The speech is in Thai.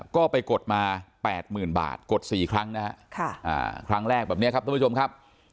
ก็ไปกดมา๘๐๐๐บาทกด๔ครั้งนะฮะครั้งแรกแบบนี้ครับท่านผู้ชมครับ